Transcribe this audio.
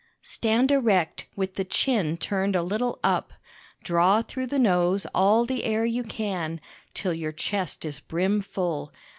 Stand erect, with the chin turned a little up. Draw through the nose all the air you can, till your chest is brimful.